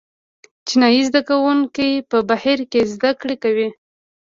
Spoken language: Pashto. چینايي زده کوونکي په بهر کې زده کړې کوي.